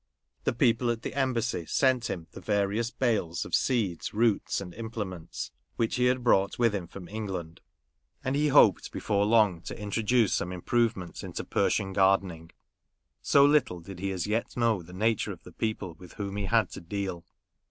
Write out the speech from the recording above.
The people at the Embassy sent him the various bales of seeds, roots, and imple ments, which he had brought with him from England ; and he hoped before long to in troduce some improvements into Persian gardening ; so little did he as yet know the nature of the people with whom he had to deal.